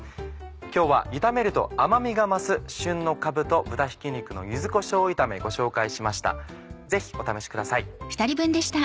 今日は炒めると甘みが増す旬のかぶと豚ひき肉の柚子こしょう炒めご紹介しました